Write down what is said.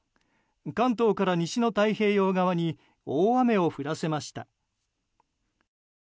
関東から西の太平洋側に大雨を降らせました。